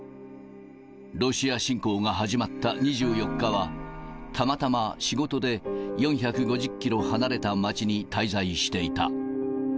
ロシア侵攻が始まった２４日は、たまたま仕事で４５０キロ離れた町に滞在していた。